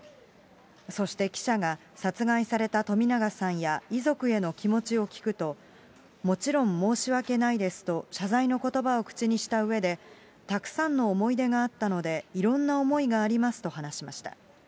そして記者が、殺害された冨永さんや遺族への気持ちを聞くと、もちろん申し訳ないですと謝罪の言葉を口にしたうえで、たくさんの思い出があったので、いろんな思いがありますと話しました。